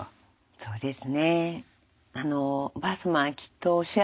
そうですね。